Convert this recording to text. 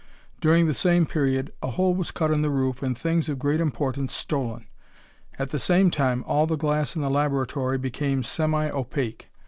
During the same period, a hole was cut in the roof and things of great importance stolen. At the same time, all the glass in the laboratory became semi opaque.